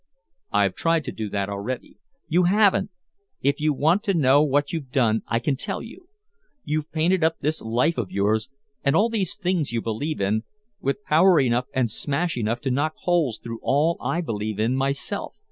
"I've tried to do that already." "You haven't! If you want to know what you've done I can tell you. You've painted up this life of yours and all these things you believe in with power enough and smash enough to knock holes through all I believe in myself.